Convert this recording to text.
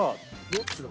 どっちだ？